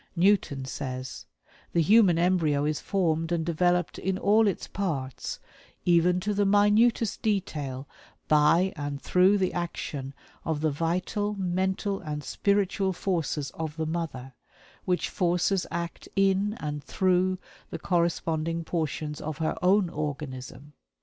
Newton says: "The human embryo is formed and developed in all its parts, even to the minutest detail, by and through the action of the vital, mental, and spiritual forces of the mother, which forces act in and through the corresponding portions of her own organism.